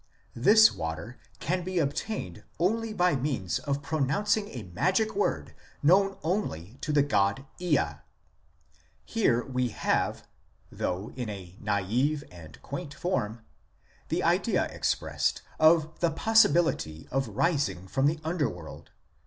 This water can be obtained only by means of pronouncing a magic word known only to the god Ea. Here we have, though in a naive and quaint form, the idea expressed of the possibility of rising from the underworld.